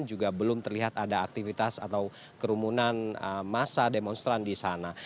juga belum terlihat ada aktivitas atau kerumunan masa demonstran di sana